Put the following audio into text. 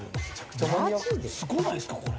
すごないですか？